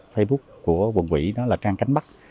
facebook của quận quỷ đó là trang cánh bắc